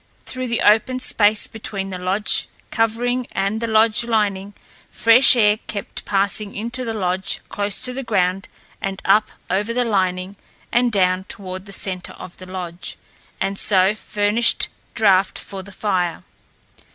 Through the open space between the lodge covering and the lodge lining, fresh air kept passing into the lodge close to the ground and up over the lining and down toward the centre of the lodge, and so furnished draught for the fire.